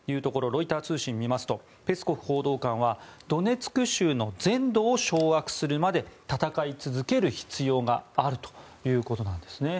ロイター通信を見ますとペスコフ報道官はドネツク州の全土を掌握するまで戦い続ける必要があるということなんです。